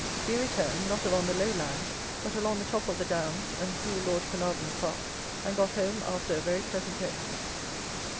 We returned, not along the low land, but along the top of the downs, and through Lord Caernarvon's park, and got home after a very pleasant day.